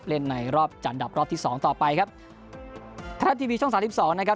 เล่นในรอบจันดับรอบที่สองต่อไปครับไทยรัฐทีวีช่องสามสิบสองนะครับ